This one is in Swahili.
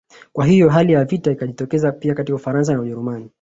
Kwa hivyo hali ya vita ikajitokeza pia kati ya Ufaransa na Ujerumani